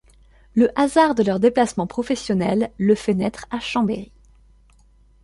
Le hasard de leurs déplacements professionnels le fait naître à Chambéry.